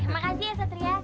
makasih ya satria